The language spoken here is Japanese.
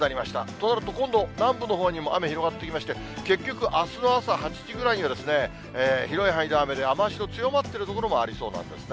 となると今度、南部のほうにも雨、広がってきまして、結局、あすの朝８時ぐらいには広い範囲で雨で、雨足の強まっている所もありそうなんですね。